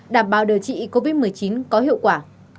đảm bảo điều trị covid một mươi chín có hiệu quả